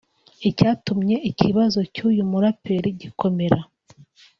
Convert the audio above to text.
Icyatumye ikibazo cy’uyu muraperi gikomera